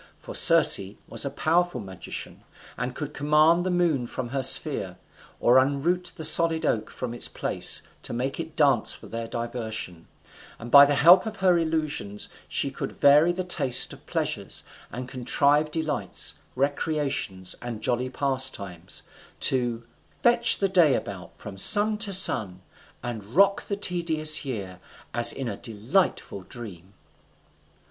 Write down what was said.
For Circe was a powerful magician, and could command the moon from her sphere, or unroot the solid oak from its place to make it dance for their diversion, and by the help of her illusions she could vary the taste of pleasures, and contrive delights, recreations, and jolly pastimes, to "fetch the day about from sun to sun, and rock the tedious year as in a delightful dream."